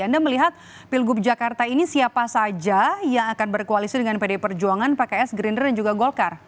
anda melihat pilgub jakarta ini siapa saja yang akan berkoalisi dengan pdi perjuangan pks gerindra dan juga golkar